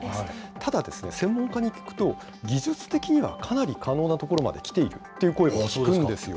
ただ、専門家に聞くと、技術的には、かなり可能なところまで来ているという声を聞くんですよ。